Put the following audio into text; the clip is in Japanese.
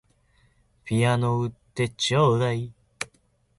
ピアノ売ってちょうだい